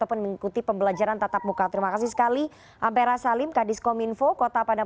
oke oke kita berharap supaya tidak ada lagi siswa siswa yang menimpa kejadian